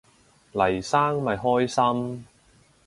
黎生咪開心